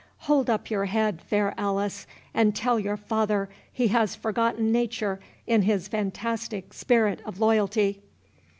—Hold up your head, fair Alice, and tell your father he has forgotten nature in his fantastic spirit of loyalty.